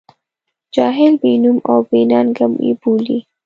جاهل، بې نوم او بې ننګه یې بولي.